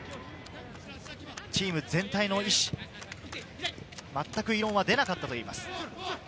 チーム全体の意思、まったく異論は出なかったといいます。